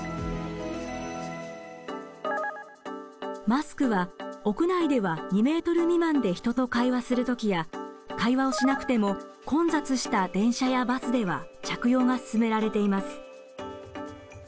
マスクは屋内では２ｍ未満で人と会話する時や会話をしなくても混雑した電車やバスでは着用が勧められています。